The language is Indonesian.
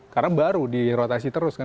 karena baru dirotasi terus kan